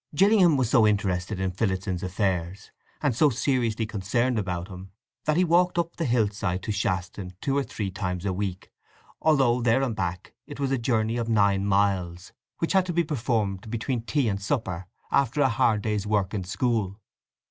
Gillingham was so interested in Phillotson's affairs, and so seriously concerned about him, that he walked up the hill side to Shaston two or three times a week, although, there and back, it was a journey of nine miles, which had to be performed between tea and supper, after a hard day's work in school.